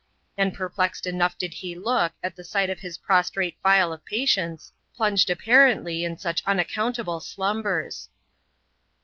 And perplexed enough did he look at the sight of his pros trate file of patients, plunged apparently in such unaccountable slumbers.